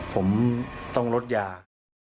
ผมต้องลดยา